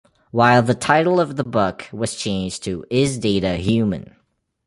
While the title of the book was changed to Is Data Human?